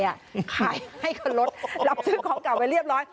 ขายให้คนรถรับซื้อของกลับไปเรียบร้อย